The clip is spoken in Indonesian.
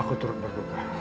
aku turut berduka